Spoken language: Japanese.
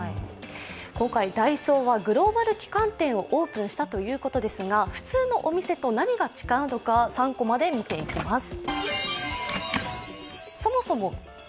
今回、ダイソーはグローバル旗艦店をオープンしたということですが、普通のお店と何が違うのか、３コマで見ていきます。